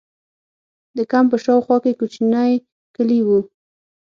د کمپ په شا او خوا کې کوچنۍ کلي وو.